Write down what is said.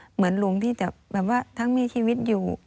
เหมือนลุงที่จะแบบว่าทั้งมีชีวิตอยู่